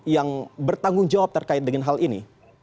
yang bertanggung jawab terkait dengan hal ini